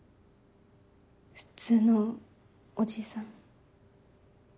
普通のおじさん。